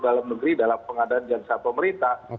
dalam negeri dalam pengadaan jasa pemerintah